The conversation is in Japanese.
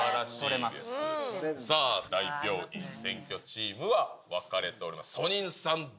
さあ、大病院占拠チームは、分かれております。